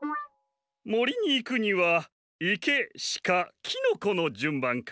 もりにいくにはいけシカキノコのじゅんばんか。